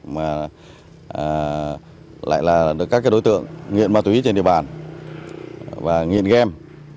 mà lại là được các đối tượng nghiện ma túy trên địa bàn và nghiện game